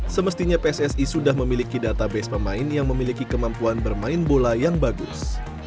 semestinya pssi sudah memiliki database pemain yang memiliki kemampuan bermain bola yang bagus